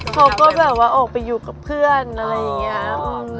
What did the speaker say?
เขาก็แบบว่าออกไปอยู่กับเพื่อนอะไรอย่างนี้